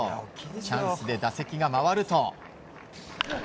チャンスで打席が回ると。